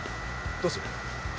どうする？